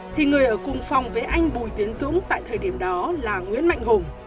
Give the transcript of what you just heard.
thì người ở cùng phòng với anh bùi tiến dũng tại thời điểm đó là nguyễn mạnh hùng